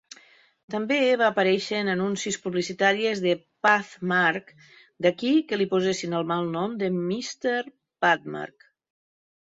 També va aparèixer en anuncis publicitaris de Pathmark, d'aquí que li posessin el malnom de "Mr. Pathmark".